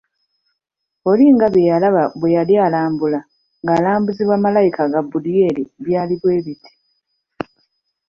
Olinga bye yalaba bwe yali alambula, nga alambuzibwa Malayika Gaabulyeri byali bwe biti